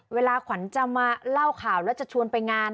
เวลาขวัญจะมาเล่าข่าวแล้วจะชวนไปงาน